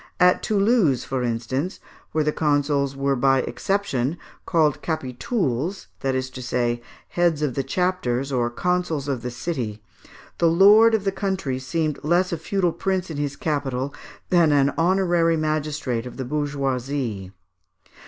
At Toulouse, for instance (where the consuls were by exception called capitouls, that is to say, heads of the chapters or councils of the city), the lord of the country seemed less a feudal prince in his capital, than an honorary magistrate of the bourgeoisie.